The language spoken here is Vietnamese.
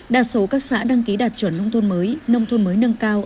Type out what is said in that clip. đa số các xã đăng ký đạt chuẩn nông thôn mới nông thôn mới nâng cao